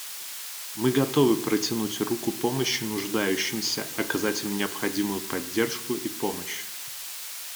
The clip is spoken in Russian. Мы готовы протянуть руку помощи нуждающимся, оказать им необходимую поддержку и помощь.